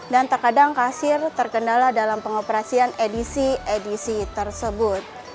dan terkadang kasir terkendala dalam pengoperasian edisi edisi tersebut